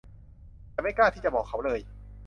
ฉันไม่กล้าที่จะบอกเขาเลย